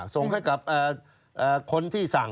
ส่งให้กับคนที่สั่ง